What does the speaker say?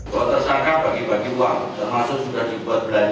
bahwa tersangka bagi bagi uang termasuk sudah dibuat belanja